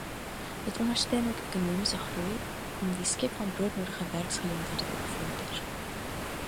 Dit ondersteun ook ekonomiese groei om die skep van broodnodige werksgeleenthede te bevorder.